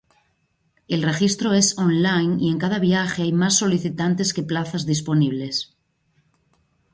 El registro es online y en cada viaje hay más solicitantes que plazas disponibles.